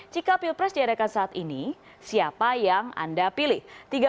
jika pilpres diadakan saat ini siapa yang anda pilih